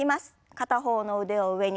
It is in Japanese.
片方の腕を上に。